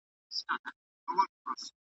پکښي غورځي د پلار وينه .